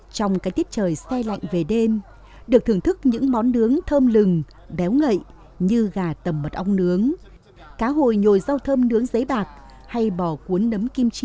trong cái tiết trời xe lạnh về đêm được thưởng thức những món nướng thơm lừng béo ngậy như gà tầm mật ong nướng cá hồi nhồi rau thơm nướng giấy bạc hay bò cuốn nấm kim chi